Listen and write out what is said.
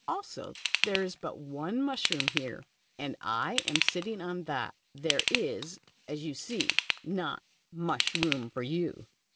Also, there is but o/ie mushroom here, and as I am sitting on that, there is, as you see, not ' mush room ' for you.